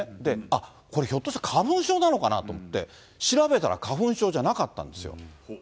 あっ、これ、ひょっとしたら花粉症なのかなと思って、調べたら花粉症じゃなかったんですよ。